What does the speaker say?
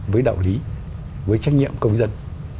họ hiểu lý với trách nhiệm công dân